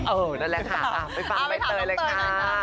เออได้แหละค่ะไปฟังใบเตยเลยค่ะ